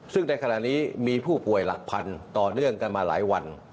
ซึ่งในขณะนี้มีผู้ป่วยหลักพันธุ์ต่อเนื่องกันมาหลายวัน